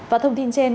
và thông tin trên